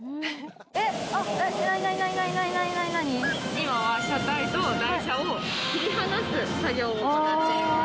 今は車体と台車を切り離す作業を行っています。